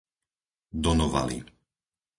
Donovaly